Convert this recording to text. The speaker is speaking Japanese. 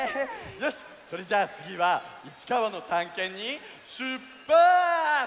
よしっそれじゃあつぎはいちかわのたんけんにしゅっぱつ！